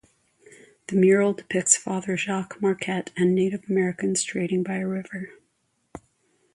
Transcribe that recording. The mural depicts Father Jacques Marquette and Native Americans trading by a river.